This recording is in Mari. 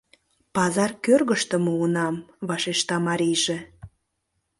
— Пазар кӧргыштӧ муынам, — вашешта марийже.